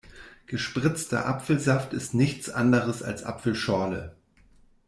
Gespritzter Apfelsaft ist nichts anderes als Apfelschorle.